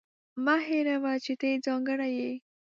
مه هېروه چې ته ځانګړې یې.